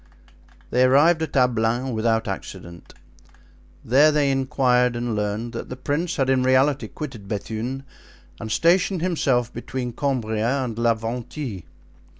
They arrived at Ablain without accident. There they inquired and learned that the prince had in reality quitted Bethune and stationed himself between Cambria and La Venthie.